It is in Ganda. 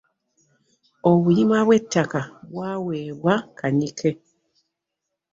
Obuyima bw’ettaka bwaweebwa Kanyike.